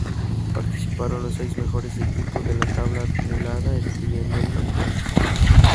Participaron los seis mejores equipos de la tabla acumulada, excluyendo al campeón.